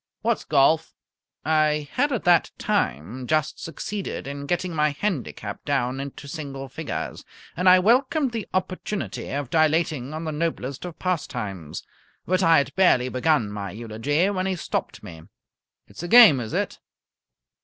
"What's golf?" I had at that time just succeeded in getting my handicap down into single figures, and I welcomed the opportunity of dilating on the noblest of pastimes. But I had barely begun my eulogy when he stopped me. "It's a game, is it?"